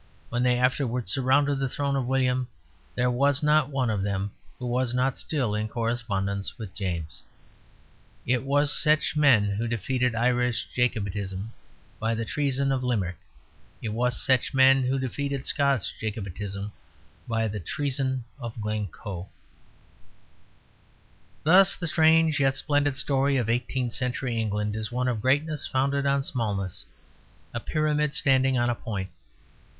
When they afterwards surrounded the throne of William, there was not one of them who was not still in correspondence with James. It was such men who defeated Irish Jacobitism by the treason of Limerick; it was such men who defeated Scotch Jacobitism by the treason of Glencoe. Thus the strange yet splendid story of eighteenth century England is one of greatness founded on smallness, a pyramid standing on a point.